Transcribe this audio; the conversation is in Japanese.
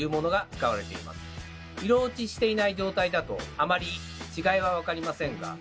色落ちしていない状態だとあまり違いは分かりませんが。